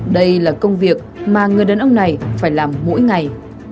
đây là công việc mà người đàn ông này phải làm mỗi ngày